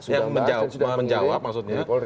yang sudah menjawab maksudnya